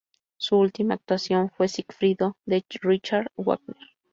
Su última actuación fue "Sigfrido" de Richard Wagner.